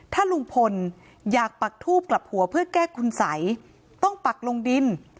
ถ้าลุงพลอยากปักทูบกลับหัวเพื่อแก้คุณสัยต้องปักลงดิน